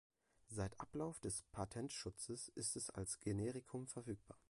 Seit Ablauf des Patentschutzes ist es als Generikum verfügbar.